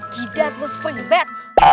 tidak lu spring bed